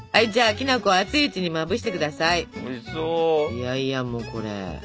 いやいやもうこれ。